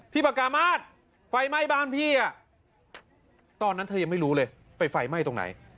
ปากกามาศไฟไหม้บ้านพี่อ่ะตอนนั้นเธอยังไม่รู้เลยไปไฟไหม้ตรงไหน